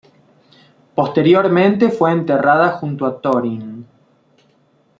Posteriormente fue enterrada junto a Thorin.